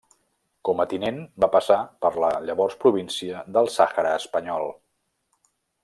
Com a tinent va passar per la llavors província del Sàhara Espanyol.